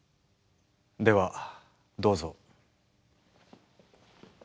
ではどうぞ。